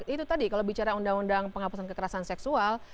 itu tadi kalau bicara undang undang penghapusan kekerasan seksual